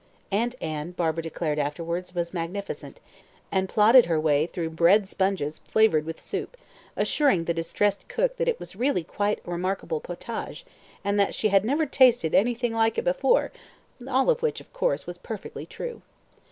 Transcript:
Aunt Anne, Barbara declared afterwards, was magnificent, and plodded her way through bread sponges flavoured with soup, assuring the distressed cook that it was really quite remarkable "potage," and that she had never tasted anything like it before all of which, of course, was perfectly true.